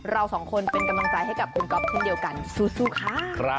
เราสองคนเป็นกำลังใจให้กับคุณก๊อฟเช่นเดียวกันสู้ค่ะ